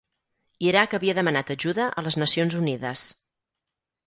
Iraq havia demanat ajuda a les Nacions Unides.